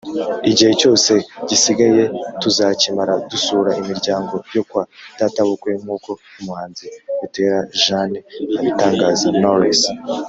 Igihe cyose gisigaye tuzakimara dusura imiryango yo kwa databukwe nkuko Umuhanzi Butera Jeanne abitangaza(Knowless).